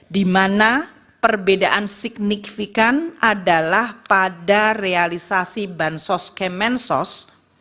di mana perbedaan signifikan adalah pada realisasi bansos kemensos